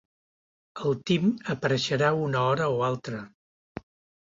El Tim apareixerà una hora o altra.